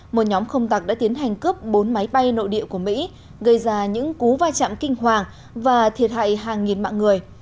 một nhóm không tặc đã tiến hành cướp bốn máy bay nội địa của mỹ gây ra những cú va chạm kinh hoàng và thiệt hại hàng nghìn mạng người